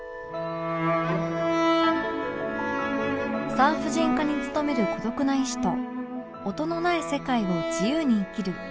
産婦人科に勤める孤独な医師と音のない世界を自由に生きる遺品整理士